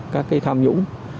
các cái tham nhũng